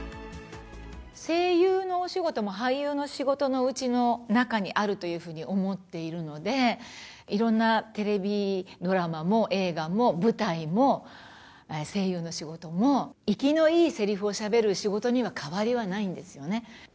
声優のお仕事も、俳優の仕事のうちの中にあるというふうに思っているので、いろんなテレビドラマも映画も舞台も、声優の仕事も、生きのいいせりふをしゃべる仕事には変わりはないんですよね。